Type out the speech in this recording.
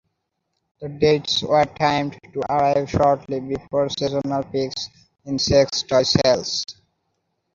The dates were timed to arrive shortly before seasonal peaks in sex toy sales.